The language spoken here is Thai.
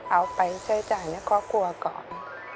เอาไปใช้จ่ายนักฮอล์ครัวก่อน